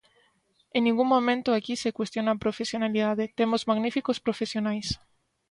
En ningún momento aquí se cuestiona a profesionalidade; temos magníficos profesionais.